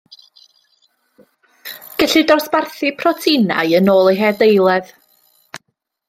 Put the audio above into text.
Gellir dosbarthu proteinau yn ôl eu hadeiledd